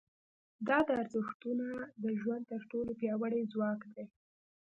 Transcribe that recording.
دا ارزښتونه د ژوند تر ټولو پیاوړي ځواک دي.